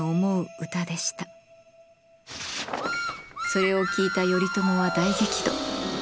それを聞いた頼朝は大激怒。